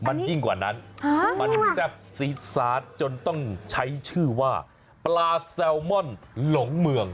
มันยิ่งกว่านั้นมันยังแซ่บซีดซาสจนต้องใช้ชื่อว่าปลาแซลมอนหลงเมือง